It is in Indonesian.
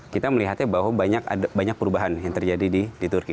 kita melihatnya bahwa banyak perubahan yang terjadi di turki